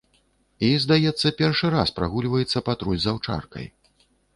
І, здаецца першы раз, прагульваецца патруль з аўчаркай.